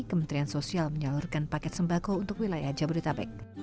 kementerian sosial menyalurkan paket sembako untuk wilayah jabodetabek